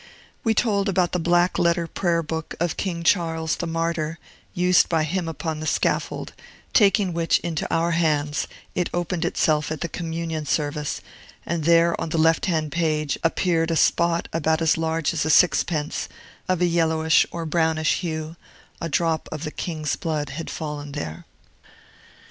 We told about the black letter prayer book of King Charles the Martyr, used by him upon the scaffold, taking which into our hands, it opened of itself at the Communion Service; and there, on the left hand page, appeared a spot about as large as a sixpence, of a yellowish or brownish hue: a drop of the King's blood had fallen there.